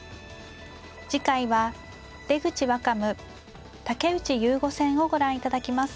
次回は出口若武竹内雄悟戦をご覧いただきます。